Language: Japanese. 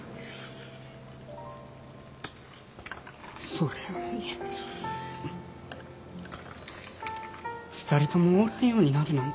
それなのに２人ともおらんようになるなんて。